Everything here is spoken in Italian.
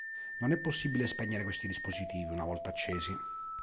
Non è possibile spegnere questi dispositivi una volta accesi.